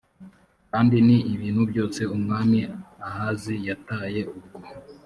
kandi n ibintu byose umwami ahazi yataye ubwo